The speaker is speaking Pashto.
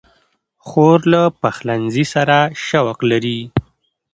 خور له پخلنځي سره شوق لري.